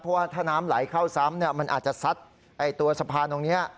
เพราะว่าถ้าน้ำไหลเข้าซ้ำมันอาจจะซัดตัวสะพานตรงนี้